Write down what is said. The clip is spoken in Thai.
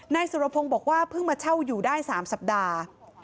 นายสุรพงศ์บอกว่าเพิ่งมาเช่าอยู่ได้๓สัปดาห์